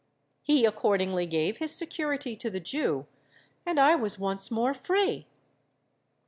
He accordingly gave his security to the Jew; and I was once more free.